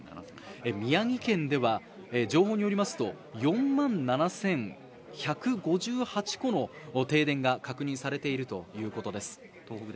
宮城県では、情報によりますと４万７１５８戸の停電が確認されているということです。